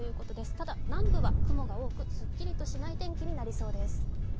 ただ、南部は雲が多くすっきりとしない天気になりそうです。